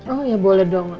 oh ya boleh dong